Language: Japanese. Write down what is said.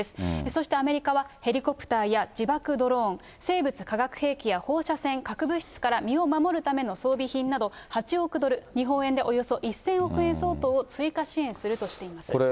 そしてアメリカは、ヘリコプターや、自爆ドローン、生物・化学兵器や放射線、核物質から身を守るための装備品など８億ドル、日本円でおよそ１０００億円相当を追加支援するとしています。